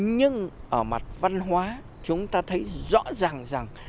nhưng ở mặt văn hóa chúng ta thấy rõ ràng rằng